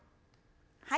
はい。